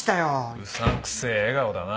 うさんくせえ笑顔だなあ。